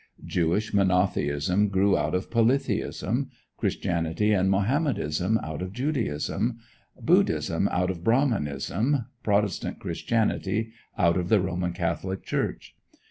Jewish monotheism grew out of polytheism; Christianity and Mohammedanism out of Judaism; Buddhism out of Brahmanism; Protestant Christianity out of the Roman Catholic Church.